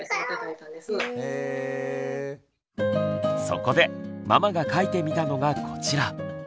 そこでママが描いてみたのがこちら。